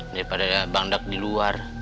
daripada bangdak di luar